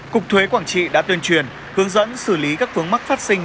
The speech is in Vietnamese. cục thuế quảng trị đã tuyên truyền hướng dẫn xử lý các phương mắc phát sinh